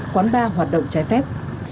quán bar hoạt động trái phép